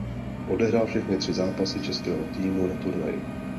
Odehrál všechny tři zápasy českého týmu na turnaji.